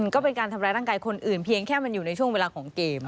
ก็เป็นการทำร้ายร่างกายคนอื่นเพียงแค่มันอยู่ในช่วงเวลาของเกม